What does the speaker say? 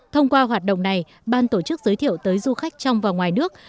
thông qua hoạt động này ban tổ chức giới thiệu tới du khách trong và ngoài nước